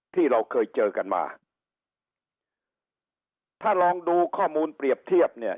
ที่เราเคยเจอกันมาถ้าลองดูข้อมูลเปรียบเทียบเนี่ย